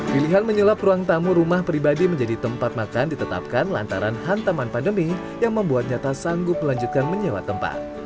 pilihan menyulap ruang tamu rumah pribadi menjadi tempat makan ditetapkan lantaran hantaman pandemi yang membuat nyata sanggup melanjutkan menyewa tempat